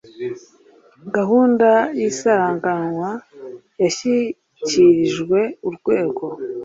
gahunda y isaranganya yashyikirijwe Urwego